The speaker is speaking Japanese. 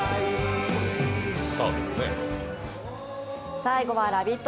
最後はラヴィット！